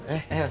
eh bang wajad